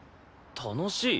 楽しい？